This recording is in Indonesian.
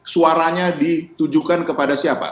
suaranya ditujukan kepada siapa